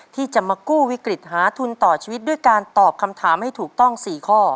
ที่จะมากู้วิกฤตหาทุนต่อชีวิตด้วยการตอบคำถามให้ถูกต้อง๔ข้อ